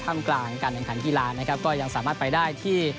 กลางการแข่งขันกีฬานะครับก็ยังสามารถไปได้ที่